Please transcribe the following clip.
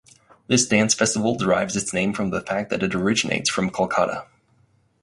This Dance festival derives its name from the fact that it originates from Kolkata.